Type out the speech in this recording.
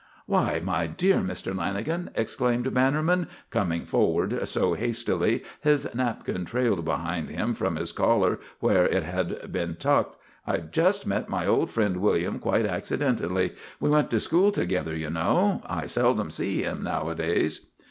"Why, my dear Mr. Lanagan!" exclaimed Bannerman, coming forward so hastily his napkin trailed behind him from his collar, where it had been tucked. "I just met my old friend William quite accidentally. We went to school together, you know. I seldom see him nowadays."